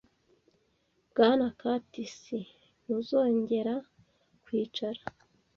Bwana Curtis, ntuzongera kwicara?